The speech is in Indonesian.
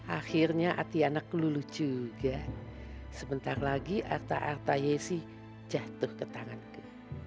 akhirnya hati anak lulu juga sebentar lagi arta arta yesi jatuh ke tanganku